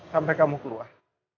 sampai kamu keluar